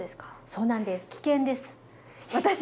そうなんです。